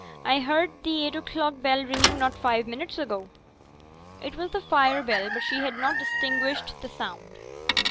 I heerd t' eight o'clock bell ringing not five minutes ago.' It was the fire bell, but she had not distinguished the sound.